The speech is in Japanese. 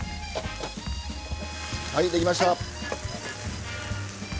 はいできました。